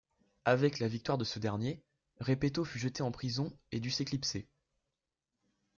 Avec la victoire de ce dernier, Repetto fut jeté en prison et dut s’éclipser.